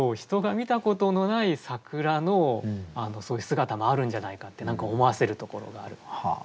人が見たことのない桜のそういう姿もあるんじゃないかって何か思わせるところがある。